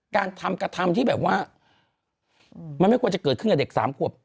การทำกระทำที่แบบว่ามันไม่ควรจะเกิดขึ้นกับเด็กสามขวบ